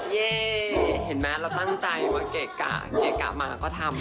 เย่เห็นไหมเราตั้งใจมาเกะกะเกะกะมาก็ทำ